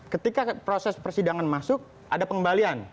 ketika proses persidangan masuk ada pengembalian